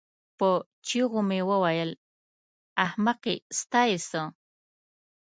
په چيغو مې وویل: احمقې ستا یې څه؟